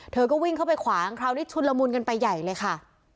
เธอก็วิ่งเข้าไปขวางคราวนี้ชุนละมุนกันไปใหญ่เลยค่ะ